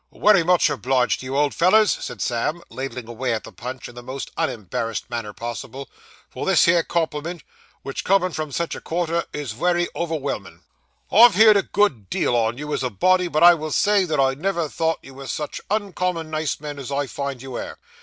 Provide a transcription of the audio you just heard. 'Wery much obliged to you, old fellers,' said Sam, ladling away at the punch in the most unembarrassed manner possible, 'for this here compliment; which, comin' from sich a quarter, is wery overvelmin'. I've heered a good deal on you as a body, but I will say, that I never thought you was sich uncommon nice men as I find you air.